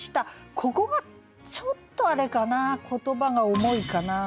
ここがちょっとあれかな言葉が重いかな。